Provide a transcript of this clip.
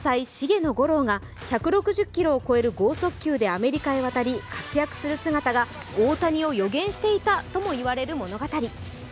天才・茂野吾郎が１６０キロを超える剛速球でアメリカへ渡り、活躍する姿が大谷を予言していたとも言われる物語。